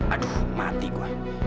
aduh mati gua